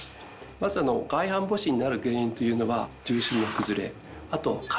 まず外反母趾になる原因というのは。